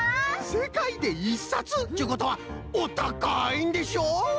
せかいで１さつっちゅうことはおたかいんでしょ？